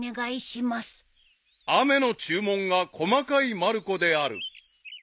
［雨の注文が細かいまる子である］